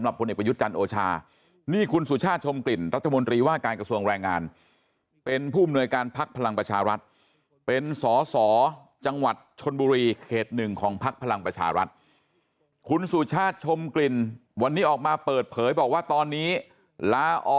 บอกว่าตอนนี้ลาออกจากตำแหน่งผู้อำนวยการ